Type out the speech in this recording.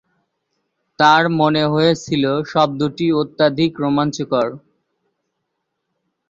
তাঁর মনে হয়েছিল, শব্দটি অত্যধিক রোমাঞ্চকর।